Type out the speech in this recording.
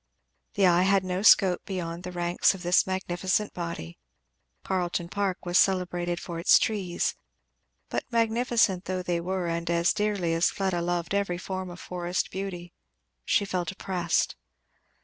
The eye had no scope beyond the ranks of this magnificent body; Carleton park was celebrated for its trees; but magnificent though they were and dearly as Fleda loved every form of forest beauty, she felt oppressed.